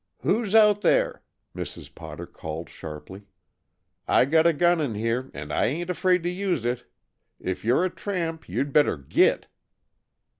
"Who's out there?" Mrs. Potter called sharply. "I got a gun in here, and I ain't afraid to use it. If you 're a tramp, you'd better git!"